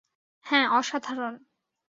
হ্যাঁ, অসাধারণ।